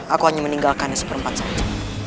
aku hanya meninggalkannya seperempat saja